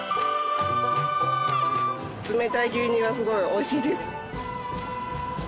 冷たい牛乳はすごいおいしいです。